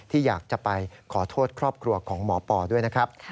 ที่อยากจะไปขอโทษครอบครัวของหมอปอด้วยนะครับ